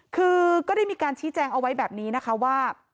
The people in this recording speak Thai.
คือก็ได้มีการชี้แจงเอาไว้แบบนี้นะคะว่า